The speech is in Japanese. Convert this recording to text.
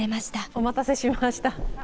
お待たせしました。